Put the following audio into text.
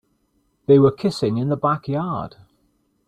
They were kissing in the backyard.